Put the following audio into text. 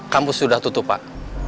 kamu sudah tutup pak